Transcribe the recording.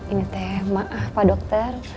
ini teh maaf pak dokter